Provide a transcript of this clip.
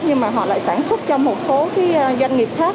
nhưng mà họ lại sản xuất cho một số cái doanh nghiệp khác